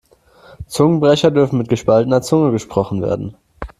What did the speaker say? Zungenbrecher dürfen mit gespaltener Zunge gesprochen werden.